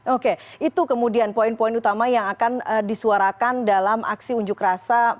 oke itu kemudian poin poin utama yang akan disuarakan dalam aksi unjuk rasa